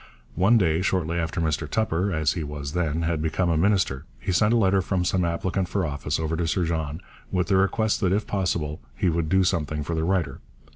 One day, shortly after Mr Tupper (as he was then) had become a minister, he sent a letter from some applicant for office over to Sir John with the request that if possible he would do something for the writer.